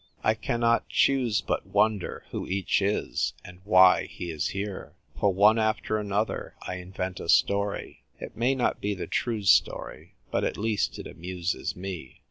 I cannot choose but wonder who each is, and why he is here. For one after another I invent a story. It may not be the true story, but at least it amuses me.